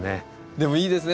でもいいですね